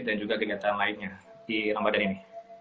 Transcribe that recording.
dan juga kegiatan lainnya di ramadan ini